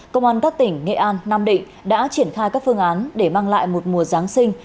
công an các tỉnh nghệ an nam định đã triển khai các phương án để mang lại một mùa giáng sinh